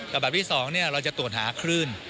แต่แบบที่สองเราจะตรวจหาคลื่น